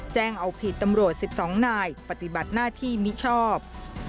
แจ้งเอาผิดตำรวจ๑๒นายปฏิบัติหน้าที่มิชอบ